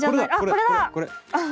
これだ！